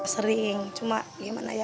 sering cuma gimana ya